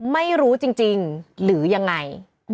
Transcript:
ไม่รู้จริงหรือยังไง